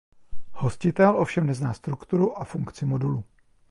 Hostitel ovšem nezná strukturu a funkci modulu.